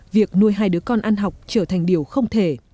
việc nuôi hai đứa con ăn học trở thành điều không thể